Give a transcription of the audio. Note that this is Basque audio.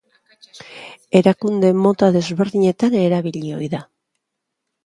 Erakunde mota desberdinetan erabili ohi da.